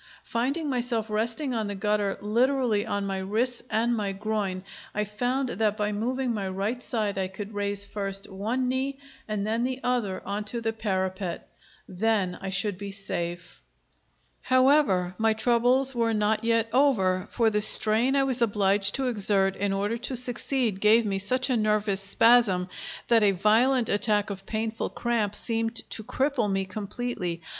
Finding myself resting on the gutter literally on my wrists and my groin, I found that by moving my right side I could raise first one knee and then the other on to the parapet. Then I should be safe. However, my troubles were not yet over, for the strain I was obliged to exert in order to succeed gave me such a nervous spasm that a violent attack of painful cramp seemed to cripple me completely.